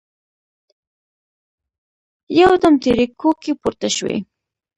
يودم تېرې کوکې پورته شوې.